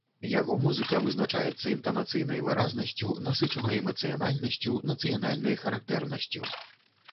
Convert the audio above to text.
Яго музыка вызначаецца інтанацыйнай выразнасцю, насычанай эмацыянальнасцю, нацыянальнай характэрнасцю.